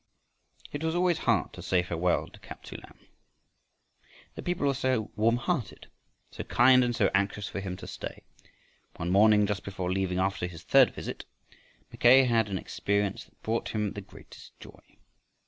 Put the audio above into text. It was always hard to say farewell to Kaptsu lan, the people were so warm hearted, so kind, and so anxious for him to stay. One morning just before leaving after his third visit, Mackay had an experience that brought him the greatest joy.